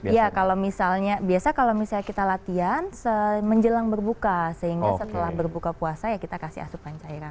ya kalau misalnya biasa kalau misalnya kita latihan menjelang berbuka sehingga setelah berbuka puasa ya kita kasih asupan cairan